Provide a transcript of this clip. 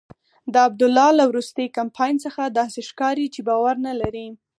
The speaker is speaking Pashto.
د عبدالله له وروستي کمپاین څخه داسې ښکاري چې باور نلري.